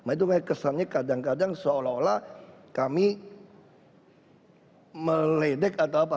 nah itu kesannya kadang kadang seolah olah kami meledek atau apa